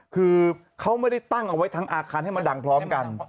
คือเขาไม่ได้ตั้งเอาไว้ทั้งอาคารให้มันดังพร้อมกัน